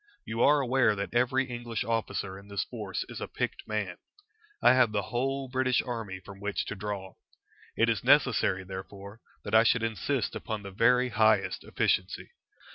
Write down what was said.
You are aware that every English officer in this force is a picked man. I have the whole British army from which to draw. It is necessary, therefore, that I should insist upon the very highest efficiency.